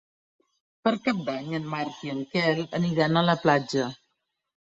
Per Cap d'Any en Marc i en Quel aniran a la platja.